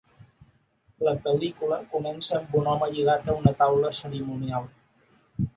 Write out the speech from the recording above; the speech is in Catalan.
La pel·lícula comença amb un home lligat a una taula cerimonial.